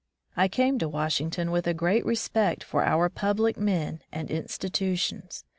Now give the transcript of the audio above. I came to Wash ington with a great respect for our public men and institutions.